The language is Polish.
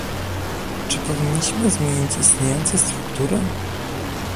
Czy powinniśmy zmienić istniejące struktury?